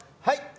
はい！